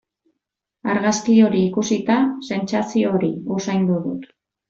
Argazki hori ikusita sentsazio hori usaindu dut.